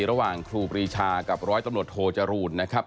ครูปรีชากับร้อยตำรวจโทจรูลนะครับ